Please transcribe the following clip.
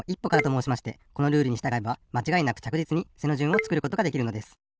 もうしましてこのルールにしたがえばまちがいなくちゃくじつに背のじゅんをつくることができるのです。